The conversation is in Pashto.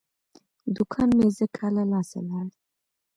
دوکان مې ځکه له لاسه لاړ.